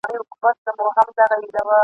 ښایسته به وي بې حده، بې قیاسه !.